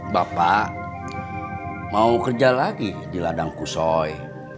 bapak mau kerja lagi di ladang kusoi